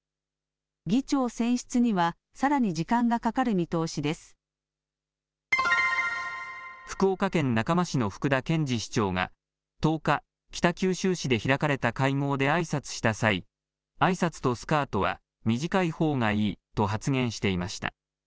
議長選出には福岡県中間市の福田健次市長が１０日、北九州市で開かれた会合であいさつした際あいさつとスカートは短いほうがいいと発言していました。